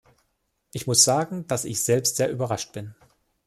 Ich muss sagen, dass ich selbst sehr überrascht bin.